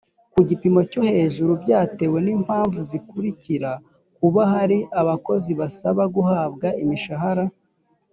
ku gipimo cyo hejuru byatewe n impamvu zikurikira kuba hari abakozi basaba guhabwa imishahara